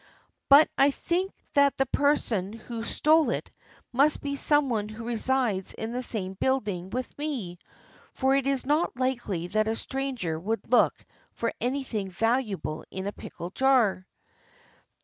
"But I think that the person who stole it must be someone who resides in the same build ing with me, for it is not likely that a stranger would look for anything valuable in a pickle jar."